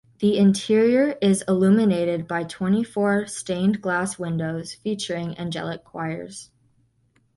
The interior is illuminated by twenty-four stained glass windows featuring angelic choirs.